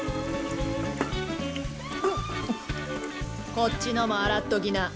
こっちのも洗っときな。